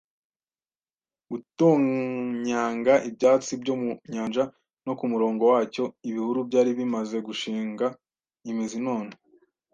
gutonyanga ibyatsi byo mu nyanja, no kumurongo wacyo ibihuru byari bimaze gushinga imizi none